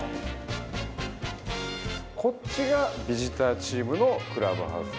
こっちがビジターチームのクラブハウス。